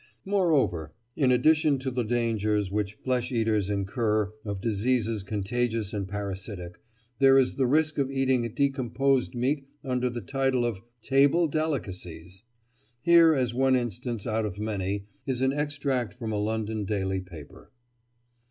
Moreover, in addition to the dangers which flesh eaters incur of diseases contagious and parasitic, there is the risk of eating decomposed meat under the title of "table delicacies." Here, as one instance out of many, is an extract from a London daily paper.